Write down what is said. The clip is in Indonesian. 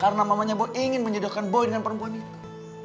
karena mamanya boy ingin menyedarkan boy dengan perempuan itu